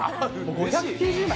５９０枚